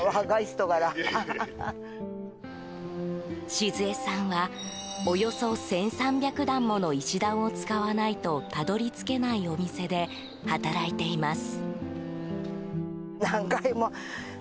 静恵さんはおよそ１３００段もの石段を使わないとたどり着けないお店で働いています。